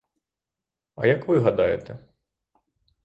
А як ви гадаєте?